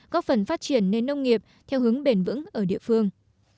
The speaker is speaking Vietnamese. góp phần phát triển nền nông nghiệp theo hướng bền vững ở địa phương